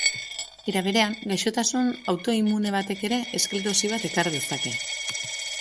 Era berean, gaixotasun autoimmune batek ere esklerosi bat ekar dezake.